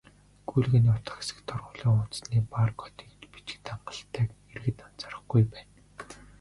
"Гүйлгээний утга" хэсэгт торгуулийн хуудасны бар кодыг л бичихэд хангалттайг иргэд анзаарахгүй байна.